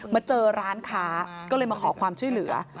มาเจอร้านค้าก็เลยมาขอความช่วยเหลือ